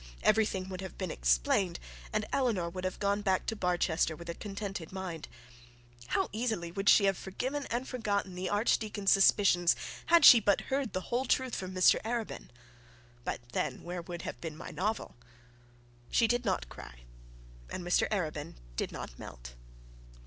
Everything would have been explained, and Eleanor would have gone back to Barchester with a contented mind. How easily would she have forgiven and forgotten the archdeacon's suspicions had she but heard the whole truth of it from Mr Arabin. But then where would have been my novel? She did not cry, and Mr Arabin did not melt.